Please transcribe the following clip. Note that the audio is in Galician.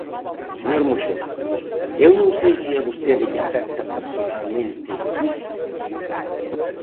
Señor Moxón, eu non sei se a vostede lle afecta persoalmente isto.